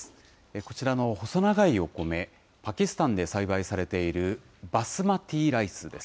こちらの細長いお米、パキスタンで栽培されているバスマティライスです。